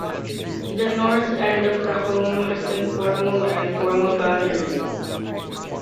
The North End of Tacoma has informal and formal boundaries.